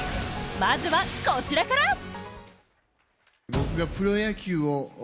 まずはこちらから！